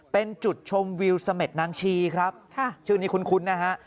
เป็นจุดชมวิวเสม็ดนางชีครับชื่อนี้คุ้นนะฮะ